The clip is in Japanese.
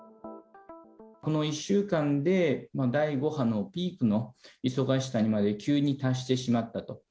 この１週間で、第５波のピークの忙しさにまで急に達してしまったと。